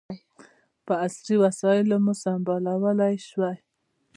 په عصري وسلو مو سمبالولای سوای.